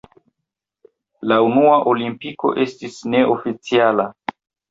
La unua Olimpiko estis neoficiala.